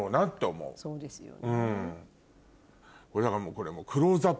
そうですよね。